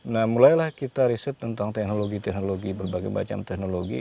nah mulailah kita riset tentang teknologi teknologi berbagai macam teknologi